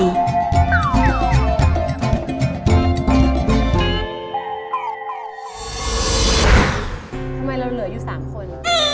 ทำไมเราเหลืออยู่๓คน